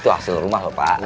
itu hasil rumah loh pak